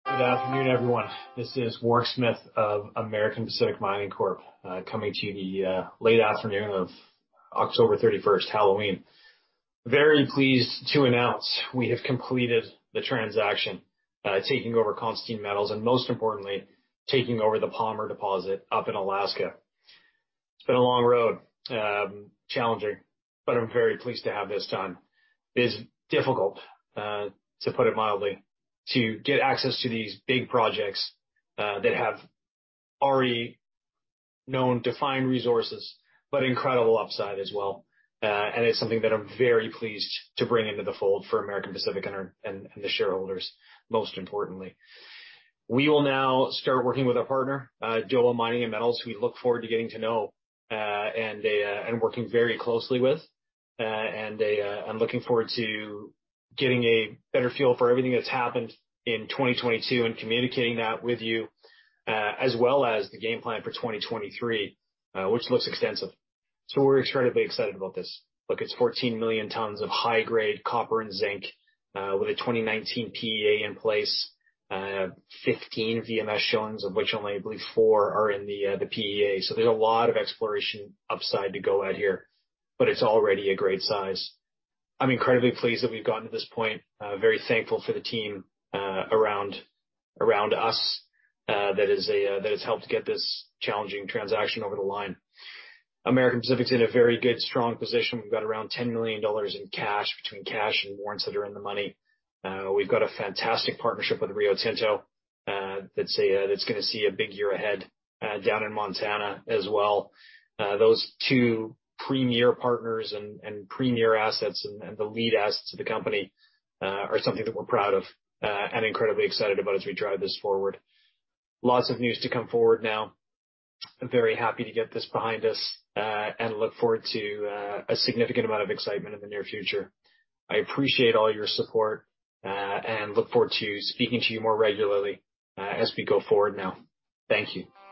Good afternoon, everyone. This is Warwick Smith of American Pacific Mining Corp, coming to you in the late afternoon of October 31st, Halloween. Very pleased to announce we have completed the transaction, taking over Constantine Metals and most importantly, taking over the Palmer deposit up in Alaska. It's been a long road, challenging, but I'm very pleased to have this done. It's difficult, to put it mildly, to get access to these big projects, that have already known defined resources, but incredible upside as well. It's something that I'm very pleased to bring into the fold for American Pacific and our and the shareholders, most importantly. We will now start working with our partner, Dowa Mining & Metals, who we look forward to getting to know, and working very closely with. I'm looking forward to getting a better feel for everything that's happened in 2022 and communicating that with you, as well as the game plan for 2023, which looks extensive. We're incredibly excited about this. Look, it's 14 million tons of high-grade copper and zinc, with a 2019 PEA in place, 15 VMS showings of which only, I believe, four are in the PEA. There's a lot of exploration upside to go at here, but it's already a great size. I'm incredibly pleased that we've gotten to this point. Very thankful for the team around us that has helped get this challenging transaction over the line. American Pacific's in a very good, strong position. We've got around 10 million dollars in cash between cash and warrants that are in the money. We've got a fantastic partnership with Rio Tinto, that's gonna see a big year ahead, down in Montana as well. Those two premier partners and premier assets and the lead assets to the company are something that we're proud of, and incredibly excited about as we drive this forward. Lots of news to come forward now. I'm very happy to get this behind us, and look forward to a significant amount of excitement in the near future. I appreciate all your support, and look forward to speaking to you more regularly, as we go forward now. Thank you.